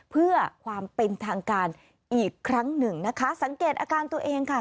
เพื่อความเป็นทางการอีกครั้งหนึ่งนะคะสังเกตอาการตัวเองค่ะ